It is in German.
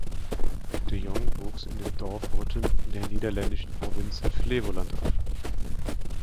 De Jong wuchs in dem Dorf Rutten in der niederländischen Provinz Flevoland auf.